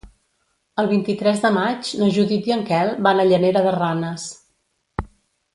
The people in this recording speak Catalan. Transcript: El vint-i-tres de maig na Judit i en Quel van a Llanera de Ranes.